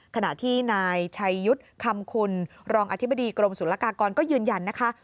ขณะที่นายชัยยุทธ์คำคุณรองอธิบดีกรมศุลกากรก็ยืนยันนะคะ